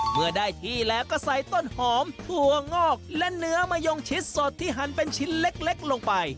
เมื่อได้ที่แล้วก็ใส่ต้นหอมถั่วงอกและเนื้อมะยงชิดสดที่หันเป็นชิ้นเล็กลงไป